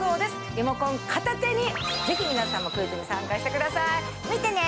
リモコン片手に、ぜひ皆さんもクイズに参加してください。